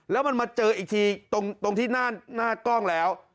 แล้วมันมาเจออีกทีตรงที่หน้ากล้องแล้ว